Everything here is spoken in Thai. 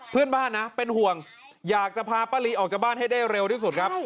เพื่อนบ้านนะเป็นห่วงอยากจะพาป้าลีออกจากบ้านให้ได้เร็วที่สุดครับ